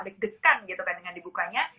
deg degan gitu kan dengan dibukanya